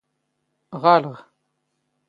ⵖⴰⵍⵖ.